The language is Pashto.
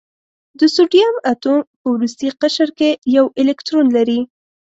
د سوډیم اتوم په وروستي قشر کې یو الکترون لري.